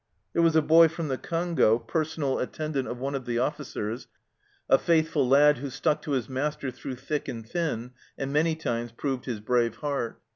There was a boy from the Congo, personal attendant 28 218 THE CELLAR HOUSE OF PERVYSE of one of the officers, a faithful lad who stuck to his master through thick and thin, and many times proved his brave heart.